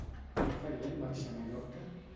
Què faria en marxar a Mallorca?